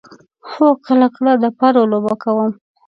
هو، کله کله د پرو لوبه کوم